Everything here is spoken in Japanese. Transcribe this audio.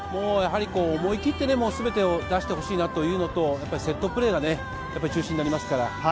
思い切ってすべてを出してほしいなというのと、セットプレーが中心になりますから。